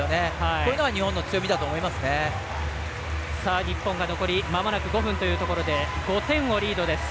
こういうのが日本が残りまもなく５分というところで５点をリードです。